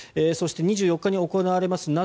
そして、２４日に行われます